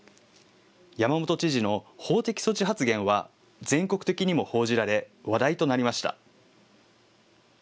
山本知事の法的措置発言は、全国的にも報じられ、話題となりました。